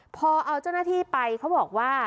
พอเอาเจ้าหน้าที่ไปเขาบอกว่า